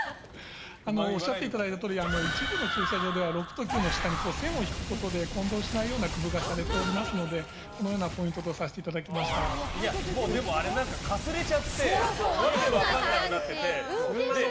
一部の駐車場では６と９の下に線を引くことで混同しないような工夫がされておりますのでこのようなポイントとでも、あれなんかかすれちゃって訳分かんなくなってて。